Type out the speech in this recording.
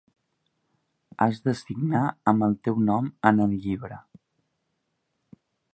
Has de signar amb el teu nom en el llibre.